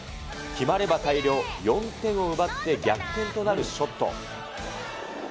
決まれば大量４点を奪って逆転となるショット。